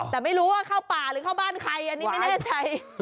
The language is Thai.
แต่ไม่รู้ว่าเข้าป่าหรือเข้าบ้านใครอันนี้ไม่แน่ใจ